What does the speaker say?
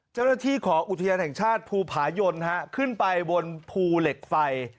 เจ้าหน้าที่ของอุทยานแห่งชาติภูผายนขึ้นไปบนภูเหล็กไฟ